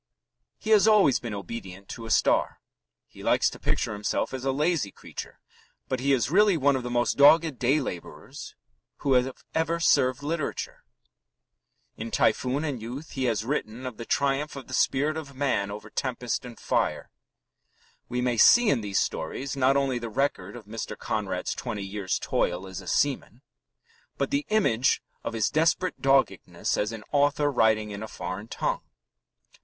He has always been obedient to a star. He likes to picture himself as a lazy creature, but he is really one of the most dogged day labourers who have ever served literature. In Typhoon and Youth he has written of the triumph of the spirit of man over tempest and fire. We may see in these stories not only the record of Mr. Conrad's twenty years' toil as a seaman, but the image of his desperate doggedness as an author writing in a foreign tongue.